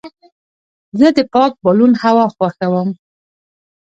زه د پاک بالون هوا خوښوم.